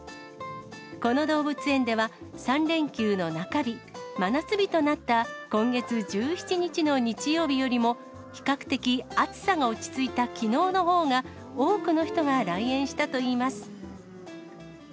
この動物園では、３連休の中日、真夏日となった今月１７日の日曜日よりも、比較的暑さが落ち着いたきのうのほうが、多くの人が来園したといいます。